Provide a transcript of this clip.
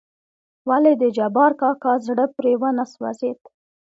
ولې دجبار کاکا زړه پرې ونه سوزېد .